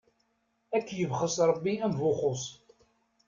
Ad k-yebxes Ṛebbi am Buxus.